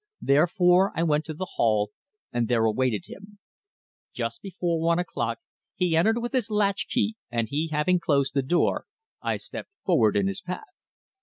Therefore I went to the hall and there awaited him. Just before one o'clock he entered with his latchkey, and he having closed the door I stepped forward in his path.